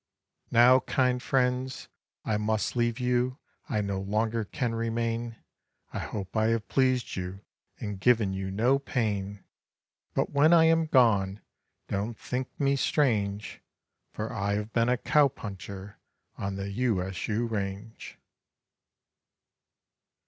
Now, kind friends, I must leave you, I no longer can remain, I hope I have pleased you and given you no pain. But when I am gone, don't think me strange, For I have been a cow puncher on the U S U range.